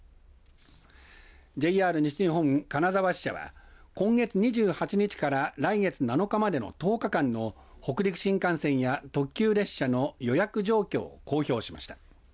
ＪＲ西日本金沢支社は今月２８日から来月７日までの１０日間の北陸新幹線や特急列車の予約状況を公表しました。